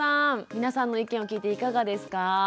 皆さんの意見を聞いていかがですか？